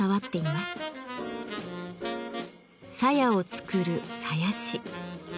鞘を作る「鞘師」。